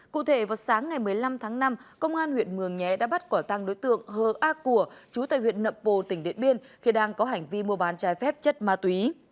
cụ thể vào sáng ngày một mươi năm tháng năm công an huyện mường nhé đã bắt quả tăng đối tượng hờ a của chú tại huyện nậm bồ tỉnh điện biên khi đang có hành vi mua bán trái phép chất ma túy